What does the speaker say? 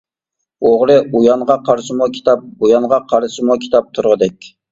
ئوغرى ئۇيانغا قارىسىمۇ كىتاب، بۇيانغا قارىسىمۇ كىتاب تۇرغۇدەك.